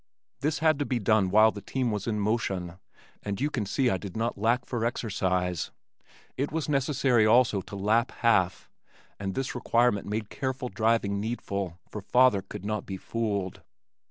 This had to be done while the team was in motion, and you can see I did not lack for exercise. It was necessary also to "lap half" and this requirement made careful driving needful for father could not be fooled.